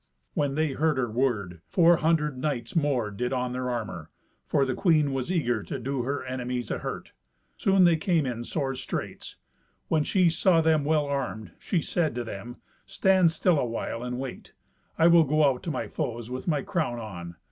When they heard her word, four hundred knights more did on their armour, for the queen was eager to do her enemies a hurt. Soon they came in sore straits. When she saw them well armed, she said to them, "Stand still a while and wait. I will go out to my foes with my crown on.